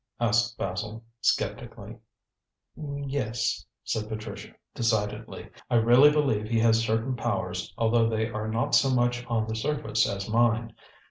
asked Basil, sceptically. "Yes," said Patricia decidedly. "I really believe he has certain powers, although they are not so much on the surface as mine.